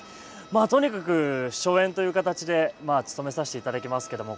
まあとにかく初演という形でつとめさせていただきますけども。